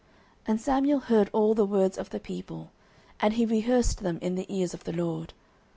09:008:021 And Samuel heard all the words of the people, and he rehearsed them in the ears of the LORD.